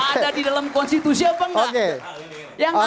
ada di dalam konstitusi apa enggak